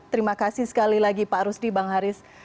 terima kasih sekali lagi pak rusdi bang haris